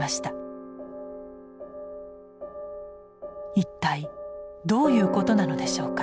一体どういうことなのでしょうか？